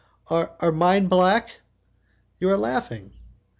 "Are mine black?" "You are laughing?"